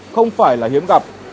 không phải là hiếm gặp